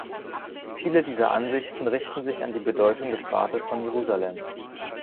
Viele dieser Ansichten richten sich an die Bedeutung des Rates von Jerusalem.